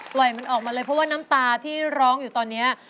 ปล่อยมันออกมาเลยเพราะว่าน้ำตาที่ร้องอยู่ตอนนี้